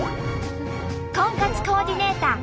婚活コーディネーター